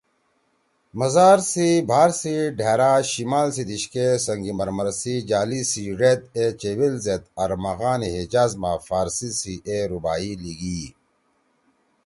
مزار سی بھار سی ڈھأرا شمال سی دیِشکے سنگ مرمر سی جالی سی ڙید اے چیویل زید ”ارمغانِ حجاز“ ما فارسی سی اے رباعی لیِگی ئی